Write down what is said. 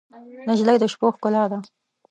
نجلۍ د شپو ښکلا ده.